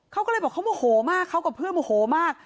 เขาก็เลยบอกเขาโมโหมากเขากับเพื่อนโมโหมาก